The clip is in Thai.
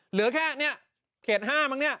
เหลือแค่เนี่ยเขต๕มั้งเนี่ย